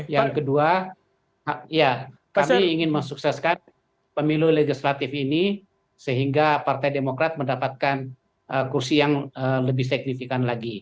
yang kedua ya kami ingin mensukseskan pemilu legislatif ini sehingga partai demokrat mendapatkan kursi yang lebih signifikan lagi